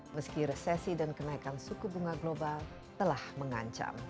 meski resesi dan kenaikan suku bunga global telah mengancam